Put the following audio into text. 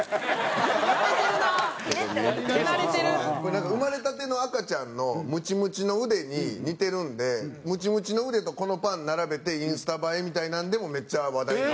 なんか生まれたての赤ちゃんのムチムチの腕に似てるんでムチムチの腕とこのパン並べてインスタ映えみたいなのでもめっちゃ話題に。